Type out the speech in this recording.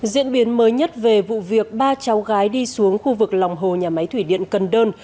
diễn biến mới nhất về vụ việc ba cháu gái đi xuống khu vực lòng hồ nhà máy thủy điện cần đơn